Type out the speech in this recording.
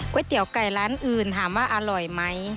เตี๋ยวไก่ร้านอื่นถามว่าอร่อยไหม